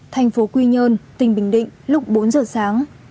thành phố quy nhơn tỉnh bình định lúc bốn giờ sáng